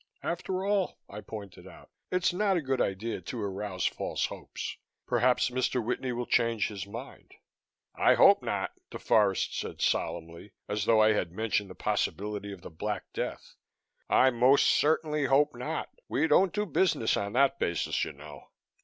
"After all," I pointed out, "it's not a good idea to arouse false hopes. Perhaps Mr. Whitney will change his mind." "I hope not," DeForest said solemnly, as though I had mentioned the possibility of the Black Death. "I most certainly hope not. We don't do business on that basis, you know."